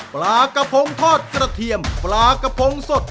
ปลากระพงทอดกระเทียมปลากระพงสด